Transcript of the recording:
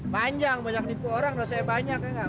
panjang banyak tipu orang dosanya banyak ya enggak